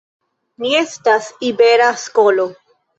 Ni estas Ibera Skolo.